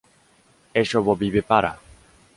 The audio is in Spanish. Es ovovivípara.